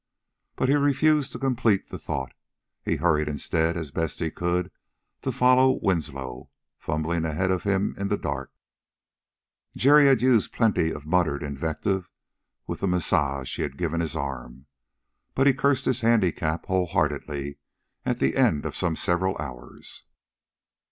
But...." He refused to complete the thought. He hurried instead, as best he could, to follow Winslow, fumbling ahead of him in the dark. Jerry had used plenty of muttered invective with the massage he had given his arm, but he cursed his handicap wholeheartedly at the end of some several hours.